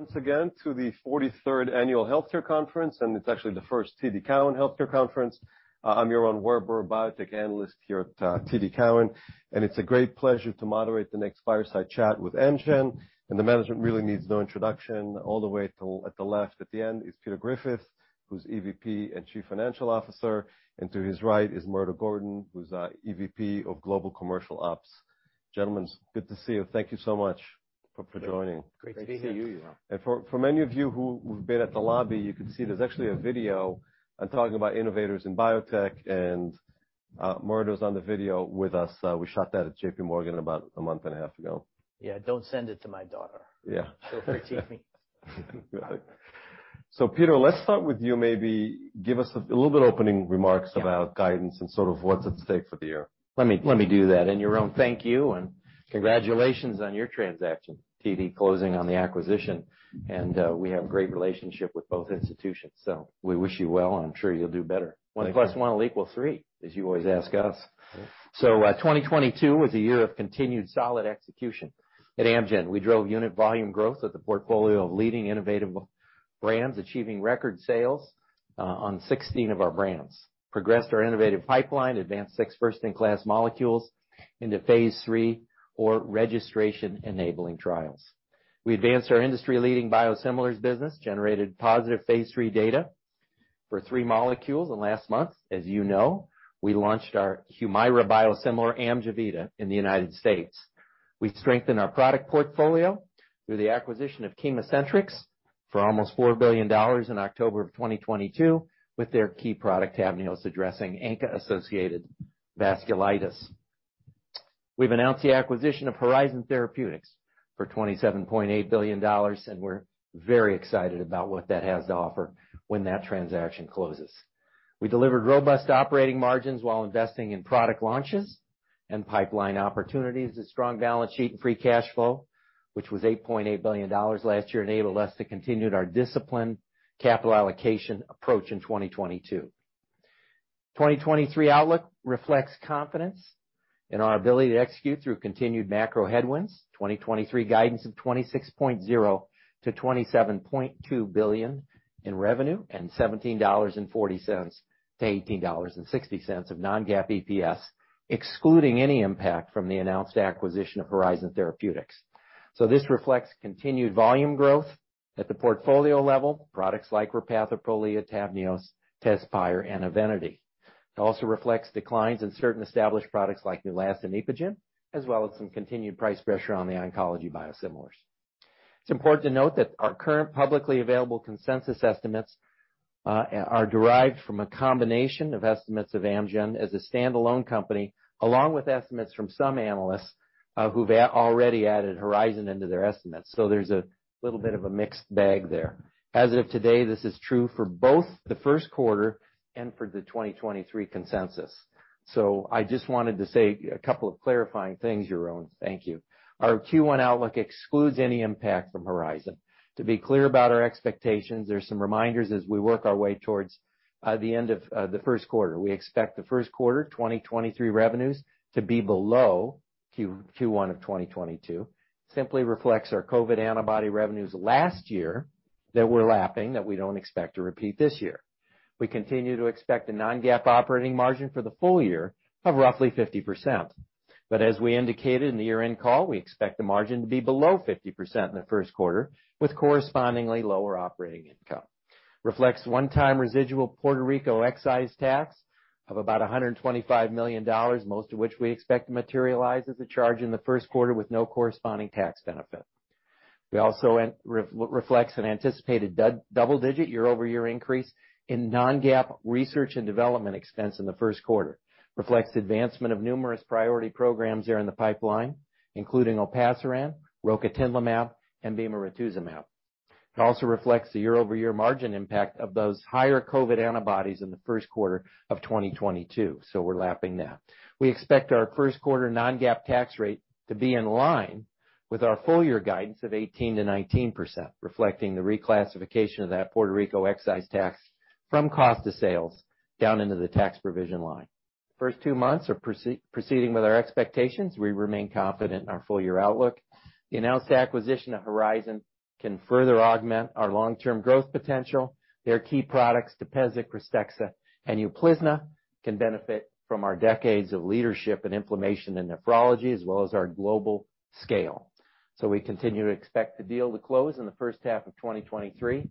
Once again to the 43rd Annual Healthcare Conference, and it's actually the first TD Cowen Healthcare Conference. I'm Yaron Werber, a biotech analyst here at TD Cowen, and it's a great pleasure to moderate the next fireside chat with Amgen, and the management really needs no introduction. All the way at the left, at the end is Peter Griffith, who's EVP and Chief Financial Officer, and to his right is Murdo Gordon, who's EVP of Global Commercial Ops. Gentlemen, good to see you. Thank you so much for joining. Great to be here. Great to see you, Yaron. For many of you who've been at the lobby, you can see there's actually a video on talking about innovators in biotech, and Murdo's on the video with us. We shot that at JPMorgan about a month and a half ago. Yeah, don't send it to my daughter. Yeah. She'll critique me. Got it. Peter, let's start with you. Maybe give us a little bit of opening remarks. Yeah About guidance and sort of what's at stake for the year. Let me do that. Yaron, thank you and congratulations on your transaction, TD closing on the acquisition. We have great relationship with both institutions, we wish you well, and I'm sure you'll do better. Thank you. One plus one will equal three, as you always ask us. 2022 was a year of continued solid execution. At Amgen, we drove unit volume growth at the portfolio of leading innovative brands, achieving record sales on 16 of our brands. Progressed our innovative pipeline, advanced 6 first-in-class molecules into phase III or registration-enabling trials. We advanced our industry-leading biosimilars business, generated positive phase III data for 3 molecules. Last month, as you know, we launched our HUMIRA biosimilar AMJEVITA in the United States. We strengthened our product portfolio through the acquisition of ChemoCentryx for almost $4 billion in October of 2022, with their key product TAVNEOS addressing ANCA-associated vasculitis. We've announced the acquisition of Horizon Therapeutics for $27.8 billion, and we're very excited about what that has to offer when that transaction closes. We delivered robust operating margins while investing in product launches and pipeline opportunities with strong balance sheet and free cash flow, which was $8.8 billion last year, enabled us to continue our disciplined capital allocation approach in 2022. 2023 outlook reflects confidence in our ability to execute through continued macro headwinds. 2023 guidance of $26.0 billion-$27.2 billion in revenue and $17.40-$18.60 of non-GAAP EPS, excluding any impact from the announced acquisition of Horizon Therapeutics. This reflects continued volume growth at the portfolio level, products like Repatha, Prolia, TAVNEOS, TEZSPIRE, and EVENITY. It also reflects declines in certain established products like Neulasta and EPOGEN, as well as some continued price pressure on the oncology biosimilars. It's important to note that our current publicly available consensus estimates are derived from a combination of estimates of Amgen as a standalone company, along with estimates from some analysts who've already added Horizon into their estimates. There's a little bit of a mixed bag there. As of today, this is true for both the first quarter and for the 2023 consensus. I just wanted to say a couple of clarifying things, Yaron. Thank you. Our Q1 outlook excludes any impact from Horizon. To be clear about our expectations, there's some reminders as we work our way towards the end of the first quarter. We expect the first quarter 2023 revenues to be below Q1 of 2022. Simply reflects our COVID antibody revenues last year that we're lapping, that we don't expect to repeat this year. We continue to expect a non-GAAP operating margin for the full year of roughly 50%. As we indicated in the year-end call, we expect the margin to be below 50% in the first quarter with correspondingly lower operating income. Reflects one-time residual Puerto Rico excise tax of about $125 million, most of which we expect to materialize as a charge in the first quarter with no corresponding tax benefit. We also reflects an anticipated double digit year-over-year increase in non-GAAP research and development expense in the first quarter. Reflects advancement of numerous priority programs here in the pipeline, including olpasiran, rocatinlimab, and bimeratuzumab. It also reflects the year-over-year margin impact of those higher COVID antibodies in the first quarter of 2022, so we're lapping that. We expect our first quarter non-GAAP tax rate to be in line with our full year guidance of 18%-19%, reflecting the reclassification of that Puerto Rico excise tax from cost to sales down into the tax provision line. First two months are proceeding with our expectations. We remain confident in our full year outlook. The announced acquisition of Horizon can further augment our long-term growth potential. Their key products, TEPEZZA, KRYSTEXXA, and UPLIZNA, can benefit from our decades of leadership in inflammation and nephrology, as well as our global scale. We continue to expect the deal to close in the first half of 2023.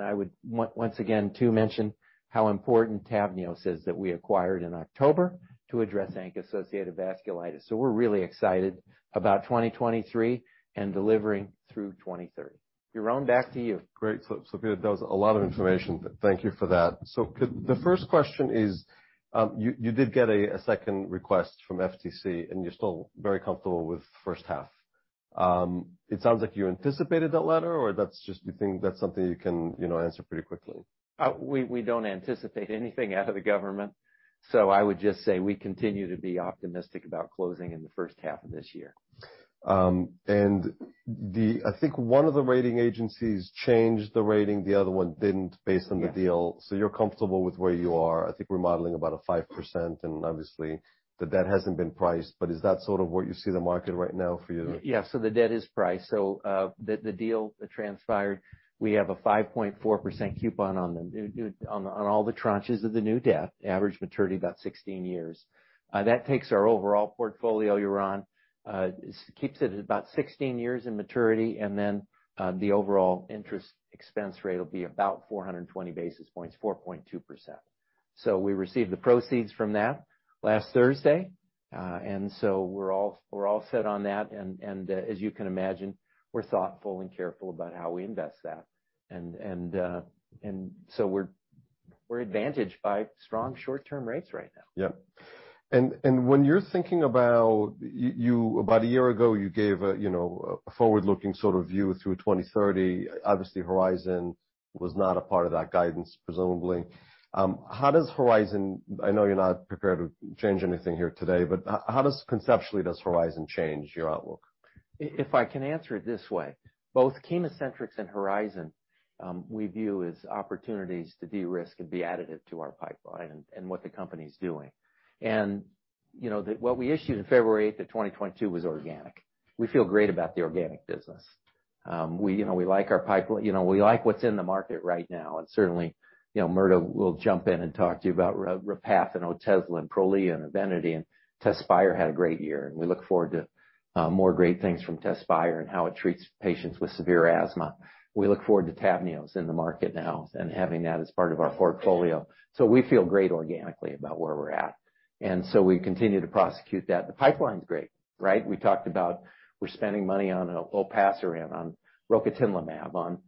I would once again too mention how important TAVNEOS is that we acquired in October to address ANCA-associated vasculitis. We're really excited about 2023 and delivering through 2030. Yaron, back to you. Great. Peter, that was a lot of information. Thank you for that. The first question is, you did get a second request from FTC, and you're still very comfortable with first half. It sounds like you anticipated that letter, or that's just, you think that's something you can, you know, answer pretty quickly? We don't anticipate anything out of the government. I would just say we continue to be optimistic about closing in the first half of this year. I think one of the rating agencies changed the rating, the other one didn't based on the deal. Yes. You're comfortable with where you are. I think we're modeling about a 5% and obviously the debt hasn't been priced, but is that sort of where you see the market right now for you? Yeah. The debt is priced. The deal transpired. We have a 5.4% coupon on them, on all the tranches of the new debt, average maturity about 16 years. That takes our overall portfolio, Yaron, keeps it at about 16 years in maturity, then the overall interest expense rate will be about 420 basis points, 4.2%. We received the proceeds from that last Thursday. We're all set on that. As you can imagine, we're thoughtful and careful about how we invest that. We're advantaged by strong short-term rates right now. Yeah. When you're thinking about you, about a year ago, you gave a, you know, a forward-looking sort of view through 2030. Obviously, Horizon was not a part of that guidance, presumably. How does Horizon, I know you're not prepared to change anything here today, but how does conceptually does Horizon change your outlook? If I can answer it this way, both ChemoCentryx and Horizon, we view as opportunities to de-risk and be additive to our pipeline and what the company's doing. You know, what we issued in February 8, 2022, was organic. We feel great about the organic business. We, you know, we like what's in the market right now. Certainly, you know, Murdo will jump in and talk to you about Repatha, and Otezla, and Prolia, and EVENITY, and TEZSPIRE had a great year, and we look forward to more great things from TEZSPIRE and how it treats patients with severe asthma. We look forward to TAVNEOS in the market now and having that as part of our portfolio. We feel great organically about where we're at, and so we continue to prosecute that. The pipeline's great, right? We talked about we're spending money on olpasiran, on rocatinlimab, on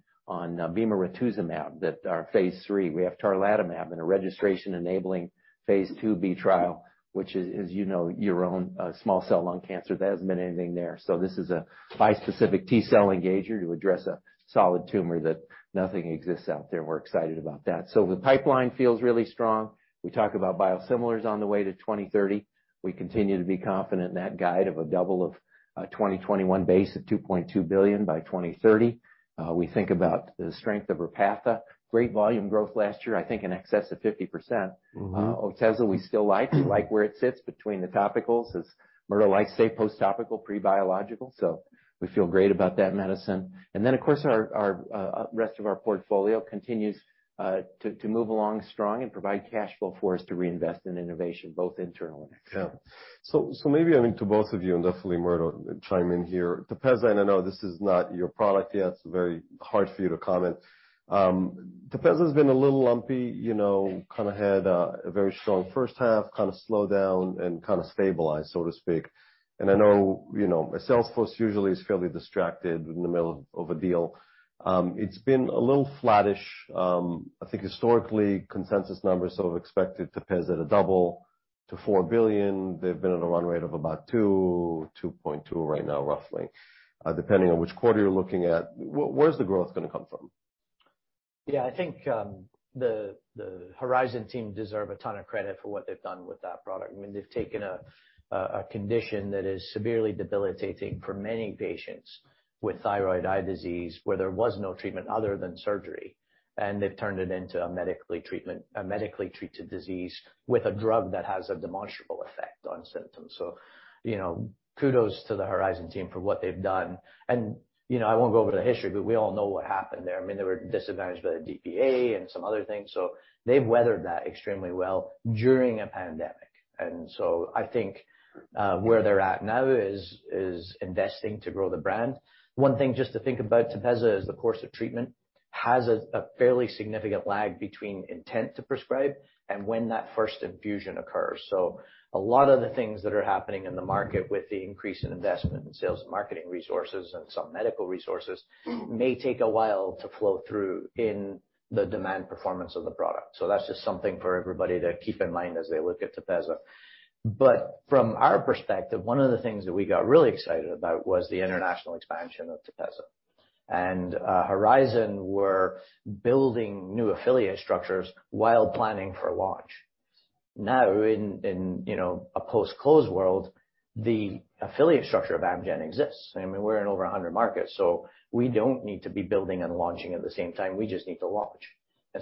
bimeratuzumab that are phase III. We have tarlatamab in a registration-enabling phase IIB trial, which is, as you know, Yaron, small cell lung cancer. There hasn't been anything there. This is a Bispecific T-cell Engager to address a solid tumor that nothing exists out there. We're excited about that. The pipeline feels really strong. We talk about biosimilars on the way to 2030. We continue to be confident in that guide of a double of 2021 base at $2.2 billion by 2030. We think about the strength of Repatha. Great volume growth last year, I think in excess of 50%. Mm-hmm. Otezla, we still like. We like where it sits between the topicals. As Murdo likes to say, post-topical, pre-biological. We feel great about that medicine. Then, of course, our rest of our portfolio continues to move along strong and provide cash flow for us to reinvest in innovation, both internal and external. Maybe, I mean, to both of you, and definitely Murdo chime in here. TEPEZZA, I know this is not your product, it's very hard for you to comment. TEPEZZA's been a little lumpy, you know, kind of had a very strong first half, kind of slowed down and kind of stabilized, so to speak. I know, you know, a sales force usually is fairly distracted in the middle of a deal. It's been a little flattish. I think historically, consensus numbers sort of expected TEPEZZA to double to $4 billion. They've been at a run rate of about $2 billion-$2.2 billion right now, roughly, depending on which quarter you're looking at. Where's the growth gonna come from? Yeah. I think, the Horizon team deserve a ton of credit for what they've done with that product. I mean, they've taken a condition that is severely debilitating for many patients with thyroid eye disease, where there was no treatment other than surgery, and they've turned it into a medically treated disease with a drug that has a demonstrable effect on symptoms. You know, kudos to the Horizon team for what they've done. You know, I won't go over the history, but we all know what happened there. I mean, they were disadvantaged by the IRA and some other things. They've weathered that extremely well during a pandemic. I think, where they're at now is investing to grow the brand. One thing just to think about TEPEZZA is the course of treatment has a fairly significant lag between intent to prescribe and when that first infusion occurs. A lot of the things that are happening in the market with the increase in investment in sales and marketing resources and some medical resources may take a while to flow through in the demand performance of the product. That's just something for everybody to keep in mind as they look at TEPEZZA. From our perspective, one of the things that we got really excited about was the international expansion of TEPEZZA. Horizon were building new affiliate structures while planning for launch. Now in, you know, a post-close world, the affiliate structure of Amgen exists. I mean, we're in over 100 markets, so we don't need to be building and launching at the same time. We just need to launch.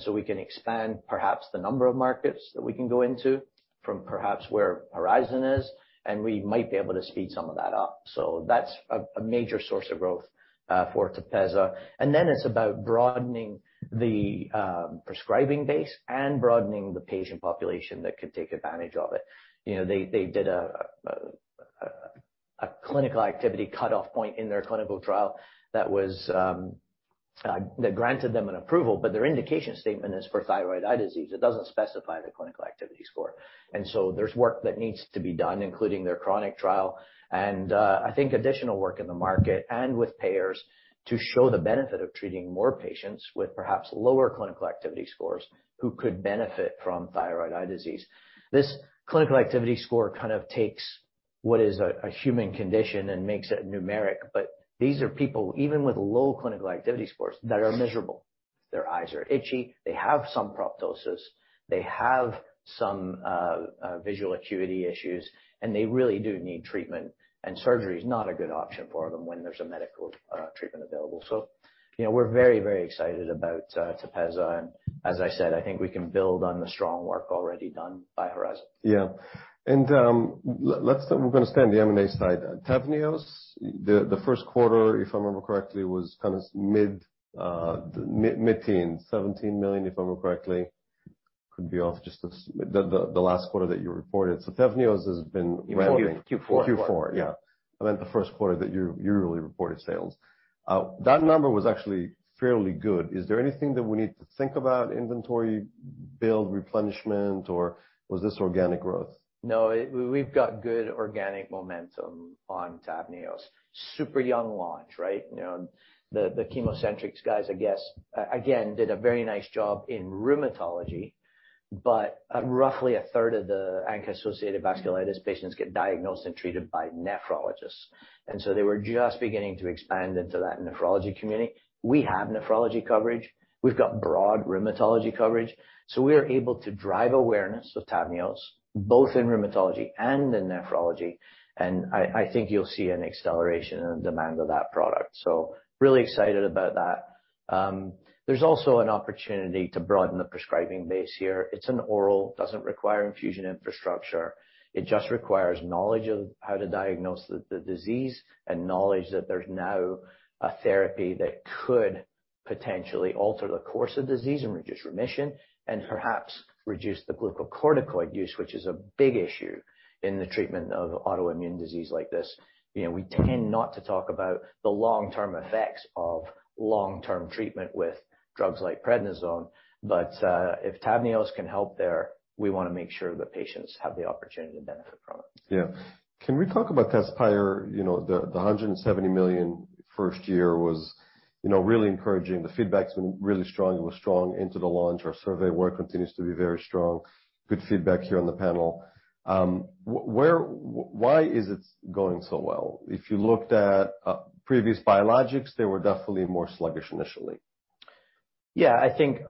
We can expand perhaps the number of markets that we can go into from perhaps where Horizon is, and we might be able to speed some of that up. That's a major source of growth for TEPEZZA. Then it's about broadening the prescribing base and broadening the patient population that could take advantage of it. You know, they did a clinical activity cutoff point in their clinical trial that was that granted them an approval, but their indication statement is for thyroid eye disease. It doesn't specify the Clinical Activity Score. There's work that needs to be done, including their chronic trial. I think additional work in the market and with payers to show the benefit of treating more patients with perhaps lower Clinical Activity Scores who could benefit from thyroid eye disease. This Clinical Activity Score kind of takes what is a human condition and makes it numeric. These are people, even with low Clinical Activity Scores, that are miserable. Their eyes are itchy, they have some proptosis, they have some, visual acuity issues, and they really do need treatment. Surgery is not a good option for them when there's a medical treatment available. You know, we're very, very excited about TEPEZZA. As I said, I think we can build on the strong work already done by Horizon. Yeah. We're gonna stay on the M&A side. TAVNEOS, the first quarter, if I remember correctly, was kind of mid-teen, $17 million, if I remember correctly. Could be off just the last quarter that you reported. TAVNEOS has been ramping- You mean Q4. Q4, yeah. I meant the first quarter that you yearly reported sales. That number was actually fairly good. Is there anything that we need to think about inventory build replenishment, or was this organic growth? No, we've got good organic momentum on TAVNEOS. Super young launch, right? You know, the ChemoCentryx guys, I guess, again, did a very nice job in rheumatology, roughly a third of the ANCA-associated vasculitis patients get diagnosed and treated by nephrologists. They were just beginning to expand into that nephrology community. We have nephrology coverage. We've got broad rheumatology coverage. We are able to drive awareness of TAVNEOS both in rheumatology and in nephrology. I think you'll see an acceleration in the demand of that product. Really excited about that. There's also an opportunity to broaden the prescribing base here. It's an oral, doesn't require infusion infrastructure. It just requires knowledge of how to diagnose the disease and knowledge that there's now a therapy that could potentially alter the course of disease and reduce remission and perhaps reduce the glucocorticoid use, which is a big issue in the treatment of autoimmune disease like this. You know, we tend not to talk about the long-term effects of long-term treatment with drugs like prednisone, but if TAVNEOS can help there, we wanna make sure that patients have the opportunity to benefit from it. Can we talk about TEZSPIRE? You know, the $170 million first year was, you know, really encouraging. The feedback's been really strong. It was strong into the launch. Our survey work continues to be very strong. Good feedback here on the panel. Why is it going so well? If you looked at previous biologics, they were definitely more sluggish initially. I think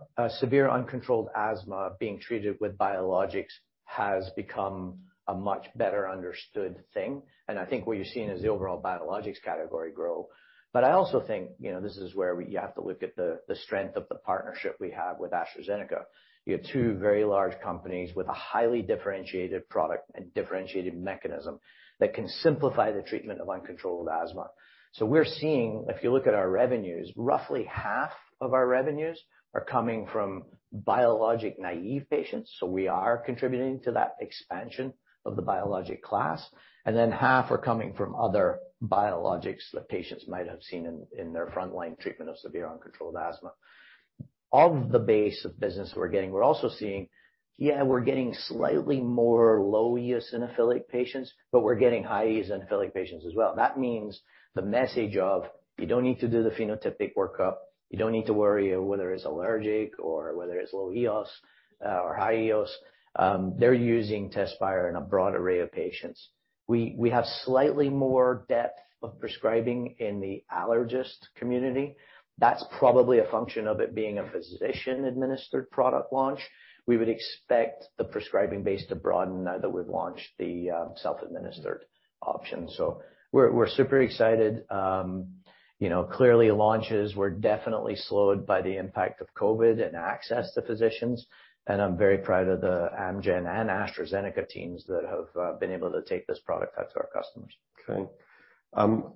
severe uncontrolled asthma being treated with biologics has become a much better understood thing, and I think what you're seeing is the overall biologics category grow. I also think, you know, this is where you have to look at the strength of the partnership we have with AstraZeneca. You have two very large companies with a highly differentiated product and differentiated mechanism that can simplify the treatment of uncontrolled asthma. We're seeing, if you look at our revenues, roughly half of our revenues are coming from biologic-naive patients, so we are contributing to that expansion of the biologic class. Half are coming from other biologics that patients might have seen in their frontline treatment of severe uncontrolled asthma. Of the base of business we're getting, we're also seeing, yeah, we're getting slightly more low EOS and eosinophilic patients, but we're getting high EOS and eosinophilic patients as well. That means the message of you don't need to do the phenotypic workup, you don't need to worry whether it's allergic or whether it's low EOS, or high EOS. They're using TEZSPIRE in a broad array of patients. We have slightly more depth of prescribing in the allergist community. That's probably a function of it being a physician-administered product launch. We would expect the prescribing base to broaden now that we've launched the self-administered option. We're, we're super excited. you know, clearly launches were definitely slowed by the impact of COVID and access to physicians. I'm very proud of the Amgen and AstraZeneca teams that have been able to take this product out to our customers. Okay.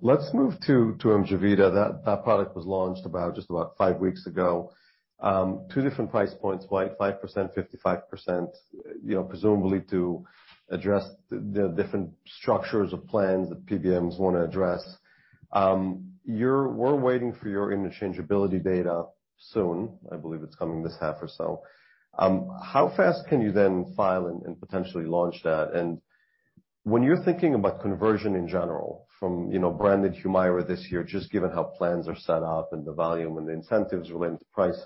Let's move to AMJEVITA. That product was launched about just about 5 weeks ago. Two different price points, right? 5%, 55%, you know, presumably to address the different structures of plans that PBMs wanna address. We're waiting for your interchangeability data soon. I believe it's coming this half or so. How fast can you then file and potentially launch that? When you're thinking about conversion in general from, you know, branded Humira this year, just given how plans are set up and the volume and the incentives related to price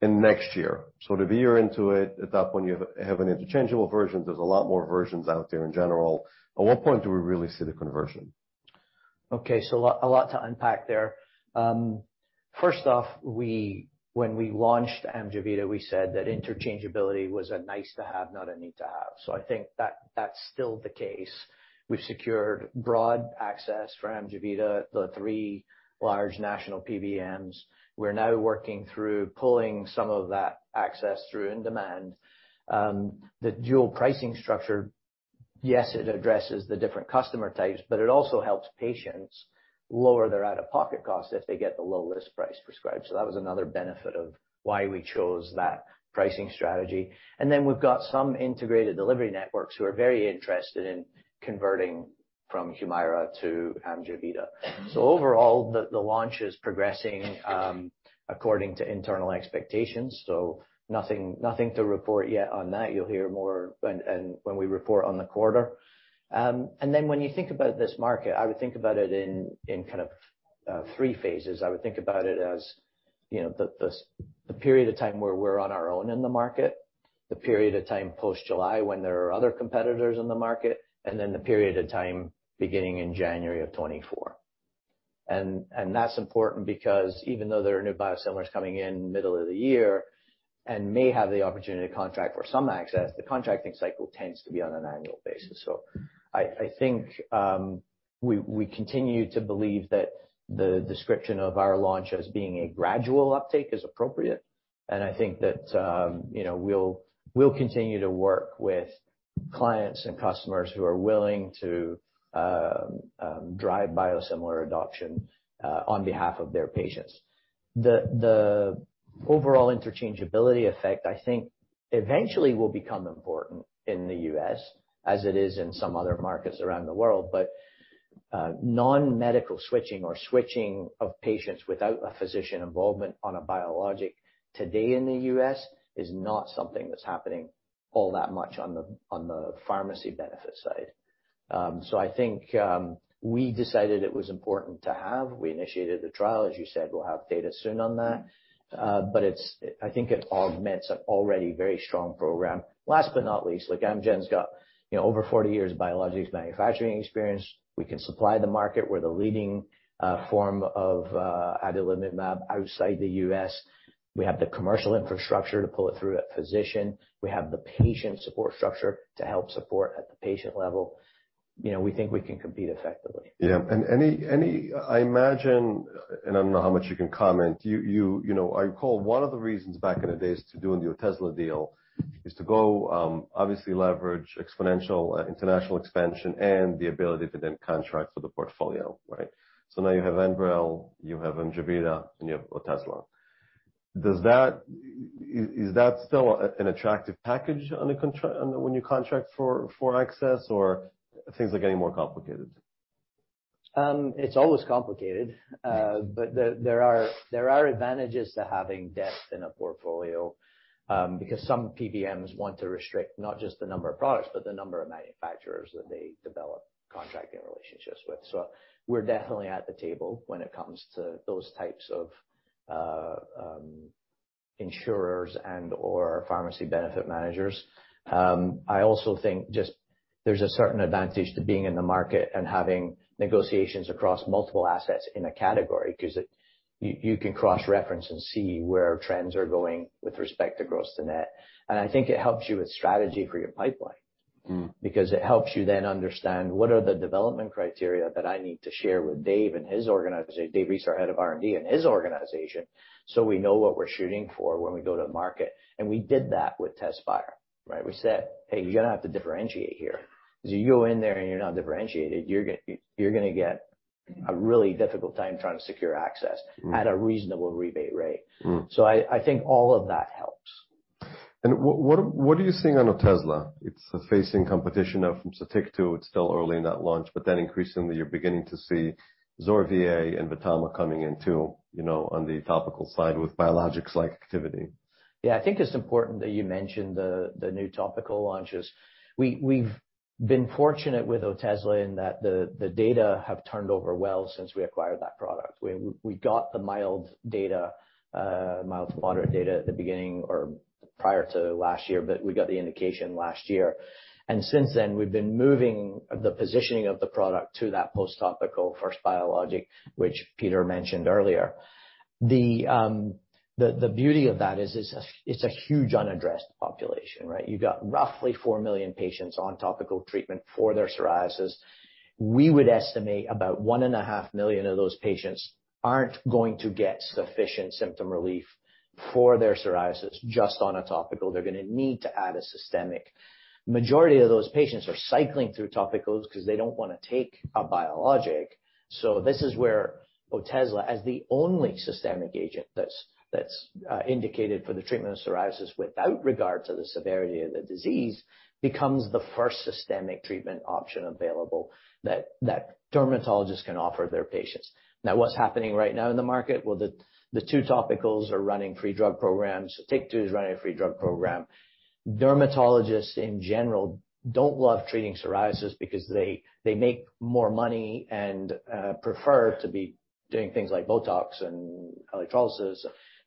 in next year, sort of a year into it, at that point, you have an interchangeable version. There's a lot more versions out there in general. At what point do we really see the conversion? A lot to unpack there. First off, when we launched AMJEVITA, we said that interchangeability was a nice to have, not a need to have. I think that that's still the case. We've secured broad access for AMJEVITA to the three large national PBMs. We're now working through pulling some of that access through in demand. The dual pricing structure, yes, it addresses the different customer types, but it also helps patients lower their out-of-pocket costs if they get the low list price prescribed. That was another benefit of why we chose that pricing strategy. Then we've got some integrated delivery networks who are very interested in converting from Humira to AMJEVITA. Overall, the launch is progressing according to internal expectations, so nothing to report yet on that. You'll hear more when we report on the quarter. When you think about this market, I would think about it in kind of three phases. I would think about it as, you know, the period of time where we're on our own in the market. The period of time post July when there are other competitors in the market, the period of time beginning in January of 2024. That's important because even though there are new biosimilars coming in middle of the year and may have the opportunity to contract for some access, the contracting cycle tends to be on an annual basis. I think we continue to believe that the description of our launch as being a gradual uptake is appropriate, and I think that, you know, we'll continue to work with clients and customers who are willing to drive biosimilar adoption on behalf of their patients. The overall interchangeability effect, I think eventually will become important in the U.S. as it is in some other markets around the world. non-medical switching or switching of patients without a physician involvement on a biologic today in the U.S. is not something that's happening all that much on the pharmacy benefit side. I think we decided it was important to have. We initiated the trial. As you said, we'll have data soon on that. But it augments an already very strong program. Last but not least, like Amgen's got, you know, over 40 years biologics manufacturing experience. We can supply the market. We're the leading form of adalimumab outside the U.S. We have the commercial infrastructure to pull it through at physician. We have the patient support structure to help support at the patient level. You know, we think we can compete effectively. Yeah. Any I imagine, and I don't know how much you can comment, you know, I recall one of the reasons back in the days to doing the Otezla deal is to go, obviously leverage exponential international expansion and the ability to then contract for the portfolio, right? Now you have Enbrel, you have AMJEVITA, and you have Otezla. Is that still an attractive package on a when you contract for access, or things are getting more complicated? It's always complicated. There are advantages to having depth in a portfolio because some PBMs want to restrict not just the number of products, but the number of manufacturers that they develop contracting relationships with. We're definitely at the table when it comes to those types of insurers and/or pharmacy benefit managers. I also think just there's a certain advantage to being in the market and having negotiations across multiple assets in a category 'cause you can cross-reference and see where trends are going with respect to gross to net. I think it helps you with strategy for your pipeline. Mm. It helps you then understand what are the development criteria that I need to share with Dave and his organization. David Reese, our head of R&D, and his organization, so we know what we're shooting for when we go to market. We did that with TEZSPIRE, right? We said, "Hey, you're gonna have to differentiate here." 'Cause if you go in there and you're not differentiated, you're gonna get a really difficult time trying to secure access... Mm. at a reasonable rebate rate. Mm. I think all of that helps. What are you seeing on Otezla? It's facing competition from SOTYKTU. It's still early in that launch, but then increasingly, you're beginning to see ZORYVE and VTAMA coming in too, you know, on the topical side with biologics-like activity. Yeah. I think it's important that you mention the new topical launches. We've been fortunate with Otezla in that the data have turned over well since we acquired that product. We got the mild data, mild to moderate data at the beginning or prior to last year, but we got the indication last year. Since then, we've been moving the positioning of the product to that post-topical first biologic, which Peter mentioned earlier. The beauty of that is it's a, it's a huge unaddressed population, right? You got roughly 4 million patients on topical treatment for their psoriasis. We would estimate about 1.5 million of those patients aren't going to get sufficient symptom relief for their psoriasis just on a topical. They're gonna need to add a systemic. Majority of those patients are cycling through topicals 'cause they don't wanna take a biologic. This is where Otezla, as the only systemic agent that's indicated for the treatment of psoriasis without regard to the severity of the disease, becomes the first systemic treatment option available that dermatologists can offer their patients. What's happening right now in the market? The two topicals are running free drug programs. SOTYKTU is running a free drug program. Dermatologists in general don't love treating psoriasis because they make more money and prefer to be doing things like BOTOX and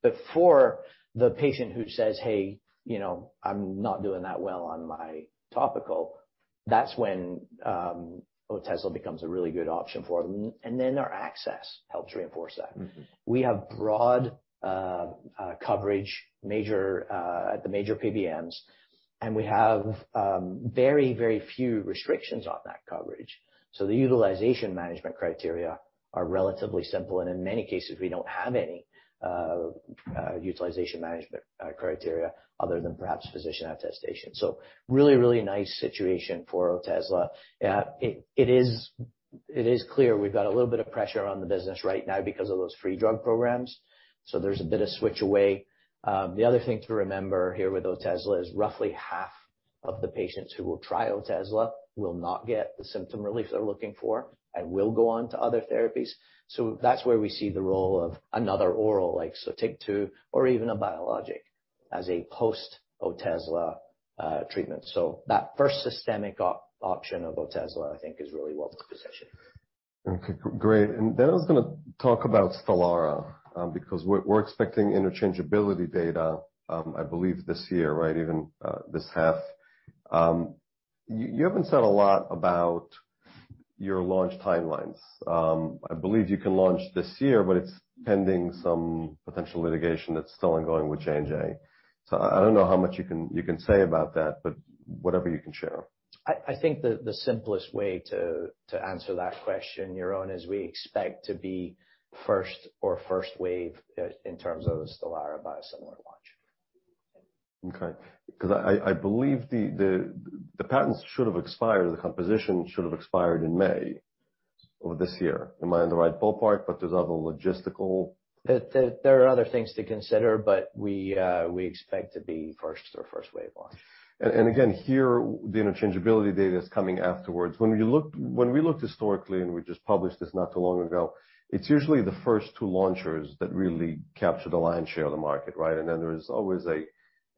electrolysis. For the patient who says, "Hey, you know, I'm not doing that well on my topical," that's when Otezla becomes a really good option for them. Our access helps reinforce that. Mm-hmm. We have broad coverage, major at the major PBMs, we have very few restrictions on that coverage. The utilization management criteria are relatively simple, in many cases, we don't have any utilization management criteria other than perhaps physician attestation. Really nice situation for Otezla. It is clear we've got a little bit of pressure on the business right now because of those free drug programs, there's a bit of switch away. The other thing to remember here with Otezla is roughly half of the patients who will try Otezla will not get the symptom relief they're looking for and will go on to other therapies. That's where we see the role of another oral, like SOTYKTU or even a biologic, as a post-Otezla treatment. That first systemic option of Otezla, I think, is really well-positioned. Okay, great. I was gonna talk about Stelara, because we're expecting interchangeability data, I believe this year, right? Even this half. You haven't said a lot about your launch timelines. I believe you can launch this year, but it's pending some potential litigation that's still ongoing with J&J. I don't know how much you can say about that, but whatever you can share. I think the simplest way to answer that question, Yaron, is we expect to be first or first wave in terms of a Stelara biosimilar launch. Okay. I believe the patents should have expired, the composition should have expired in May of this year. Am I in the right ballpark, but there's other logistical-? There are other things to consider, but we expect to be first or first wave launch. Again, here, the interchangeability data is coming afterwards. When we looked historically, and we just published this not too long ago, it's usually the first two launchers that really capture the lion's share of the market, right? Then there is always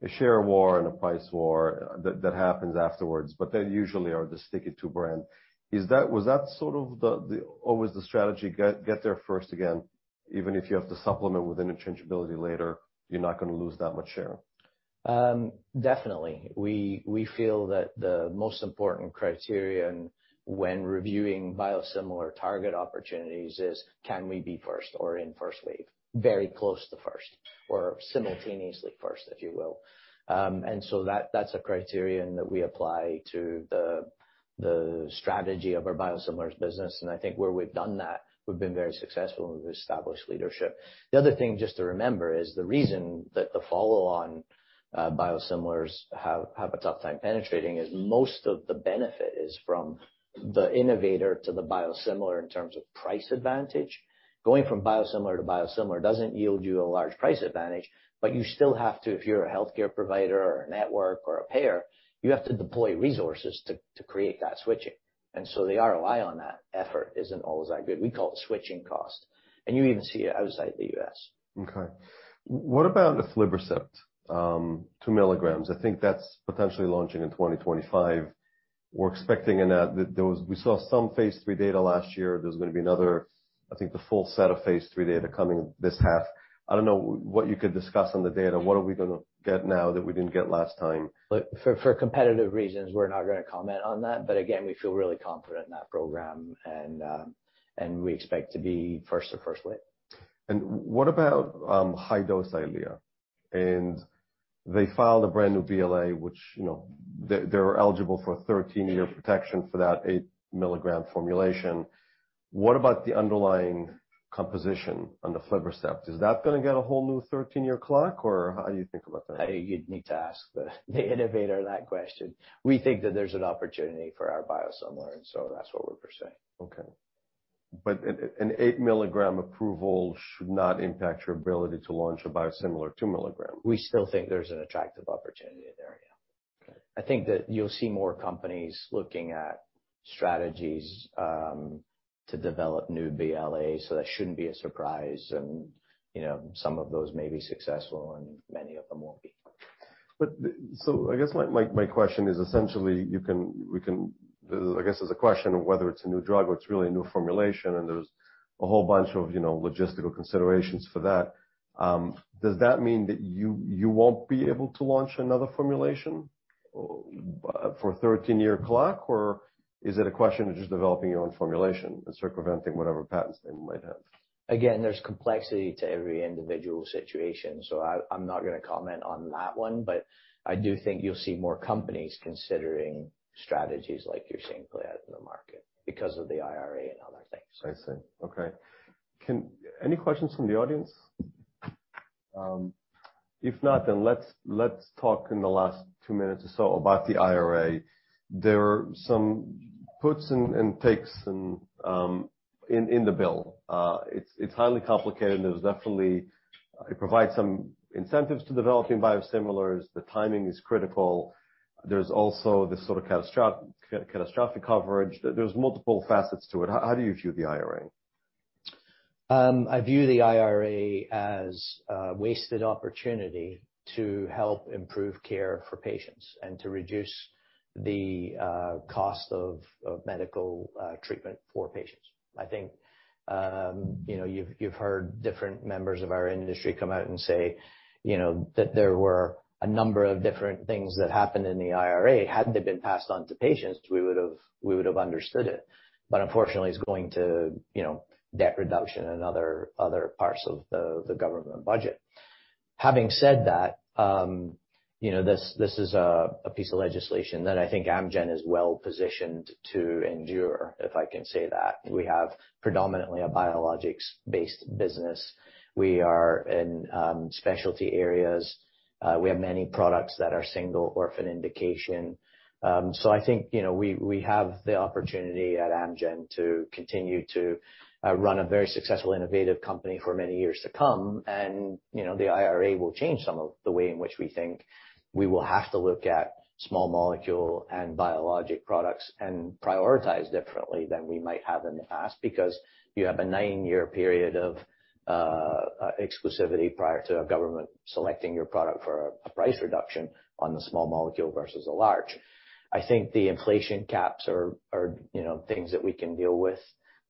a share war and a price war that happens afterwards. They usually are the stick it to brand. Was that sort of the always the strategy, get there first again, even if you have to supplement with interchangeability later, you're not gonna lose that much share? Definitely. We feel that the most important criterion when reviewing biosimilar target opportunities is can we be first or in first wave? Very close to first or simultaneously first, if you will. That's a criterion that we apply to the strategy of our biosimilars business. I think where we've done that, we've been very successful, and we've established leadership. The other thing just to remember is the reason that the follow-on biosimilars have a tough time penetrating is most of the benefit is from the innovator to the biosimilar in terms of price advantage. Going from biosimilar to biosimilar doesn't yield you a large price advantage, but you still have to, if you're a healthcare provider or a network or a payer, you have to deploy resources to create that switching. The ROI on that effort isn't always that good. We call it switching costs. You even see it outside the US. Okay. What about the aflibercept, 2 milligrams? I think that's potentially launching in 2025. We saw some phase III data last year. There's gonna be another, I think, the full set of phase III data coming this half. I don't know what you could discuss on the data. What are we gonna get now that we didn't get last time? Look, for competitive reasons, we're not gonna comment on that. Again, we feel really confident in that program and we expect to be first or first wave. What about high-dose EYLEA? They filed a brand new BLA, which, you know, they're eligible for a 13-year protection for that 8-milligram formulation. What about the underlying composition on the aflibercept? Is that gonna get a whole new 13-year clock, or how do you think about that? You'd need to ask the innovator that question. We think that there's an opportunity for our biosimilar, and so that's what we're pursuing. Okay. An 8-milligram approval should not impact your ability to launch a biosimilar 2 milligram. We still think there's an attractive opportunity in the area. Okay. I think that you'll see more companies looking at strategies to develop new BLAs, so that shouldn't be a surprise. You know, some of those may be successful and many of them won't be. I guess my question is essentially, we can I guess there's a question of whether it's a new drug or it's really a new formulation, and there's a whole bunch of, you know, logistical considerations for that. Does that mean that you won't be able to launch another formulation for a 13-year clock or is it a question of just developing your own formulation and circumventing whatever patents they might have? There's complexity to every individual situation, so I'm not gonna comment on that one. I do think you'll see more companies considering strategies like you're seeing play out in the market because of the IRA and other things. I see. Okay. Any questions from the audience? If not, then let's talk in the last 2 minutes or so about the IRA. There are some puts and takes in the bill. It's highly complicated. It provides some incentives to developing biosimilars. The timing is critical. There's also this sort of catastrophic coverage. There's multiple facets to it. How do you view the IRA? I view the IRA as a wasted opportunity to help improve care for patients and to reduce the cost of medical treatment for patients. I think, you know, you've heard different members of our industry come out and say, you know, that there were a number of different things that happened in the IRA. Had they been passed on to patients, we would've understood it. Unfortunately, it's going to, you know, debt reduction and other parts of the government budget. Having said that, you know, this is a piece of legislation that I think Amgen is well-positioned to endure, if I can say that. We have predominantly a biologics-based business. We are in specialty areas. We have many products that are single orphan indication. I think, you know, we have the opportunity at Amgen to continue to run a very successful innovative company for many years to come. You know, the IRA will change some of the way in which we think. We will have to look at small molecule and biologic products and prioritize differently than we might have in the past because you have a 9-year period of exclusivity prior to a government selecting your product for a price reduction on the small molecule versus a large. I think the inflation caps are, you know, things that we can deal with.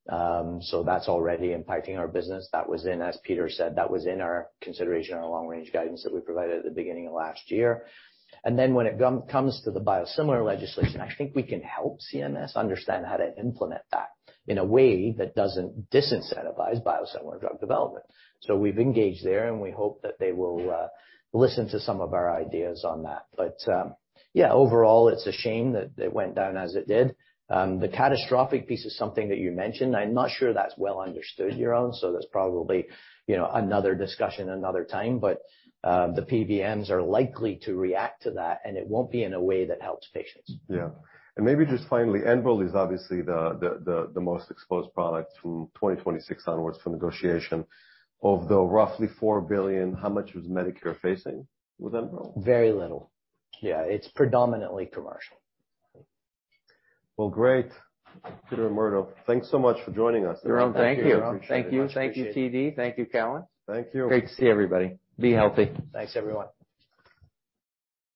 That's already impacting our business. That was in, as Peter said, that was in our consideration, our long-range guidance that we provided at the beginning of last year. When it comes to the biosimilar legislation, I think we can help CMS understand how to implement that in a way that doesn't disincentivize biosimilar drug development. We've engaged there, and we hope that they will listen to some of our ideas on that. Yeah, overall, it's a shame that it went down as it did. The catastrophic piece is something that you mentioned. I'm not sure that's well understood, Yaron, so that's probably, you know, another discussion another time, but the PBMs are likely to react to that, and it won't be in a way that helps patients. Yeah. Maybe just finally, Enbrel is obviously the most exposed product from 2026 onwards for negotiation. Of the roughly $4 billion, how much was Medicare facing with Enbrel? Very little. Yeah. It's predominantly commercial. Well, great. Peter and Murdo, thanks so much for joining us. Yaron, thank you. Appreciate it. Thank you, TD. Thank you, Cowen. Thank you. Great to see everybody. Be healthy. Thanks, everyone.